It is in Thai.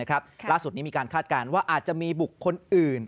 ล่าสุดนี้มีการคาดการณ์ว่าอาจจะมีบุคคลอื่น